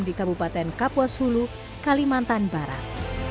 di kabupaten kapuas hulu kalimantan barat